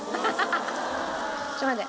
ちょっと待って。